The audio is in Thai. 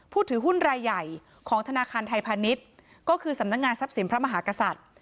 ถือหุ้นรายใหญ่ของธนาคารไทยพาณิชย์ก็คือสำนักงานทรัพย์สินพระมหากษัตริย์